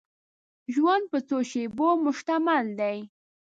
ژوند په څو شېبو مشتمل دی.